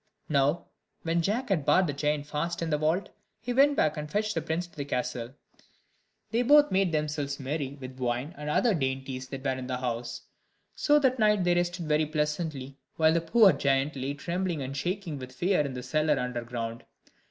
Now, when Jack had barred the giant fast in the vault, he went back and fetched the prince to the castle; they both made themselves merry with the wine and other dainties that were in the house. So that night they rested very pleasantly while the poor giant lay trembling and shaking with fear in the cellar underground.